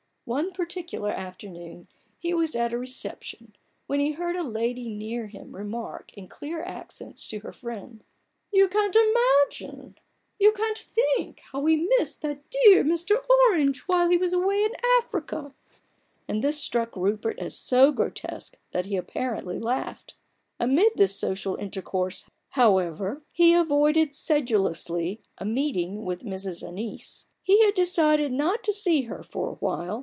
One particular afternoon he was at a reception, when he heard a lady near him remark in clear accents to her friend :" You can't think how we missed that dear Mr. Orange while he was away in Africa !" and this struck Rupert as so grotesque that he apparently laughed. Amid this social intercourse, however, he avoided sedulously a meeting with Mrs. Annice; he had 30 A BOOK OF BARGAINS. decided not to see her for a while.